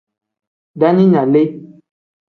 Daaninga lee.